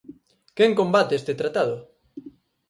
¿Quen combate este tratado?